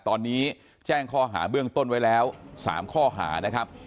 ตอนนี้แจ้งข้อหาเบื้องต้นไว้แล้ว๓ข้อหานะครับ